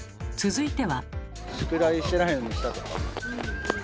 続いては。